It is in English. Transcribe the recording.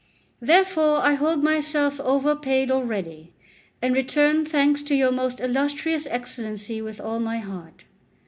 Therefore I hold myself overpaid already, and return thanks to your most illustrious Excellency with all my heart."